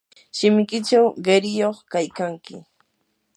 shimikiychaw qiriyuq kaykanki.